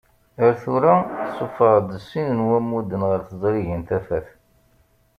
Ar tura, suffeɣeɣ-d sin n wammuden ɣer tezrigin Tafat.